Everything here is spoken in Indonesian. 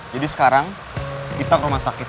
jadi sekarang kita ke rumah sakit